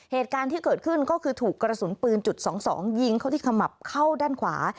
เหตุการณ์ที่เกิดขึ้นก็คือถูกกระสุนปืนจุด๒๒ยิงเข้าที่ขมับเข้าด้านขวา